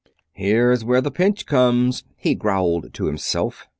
"Here's where the pinch comes," he growled to himself.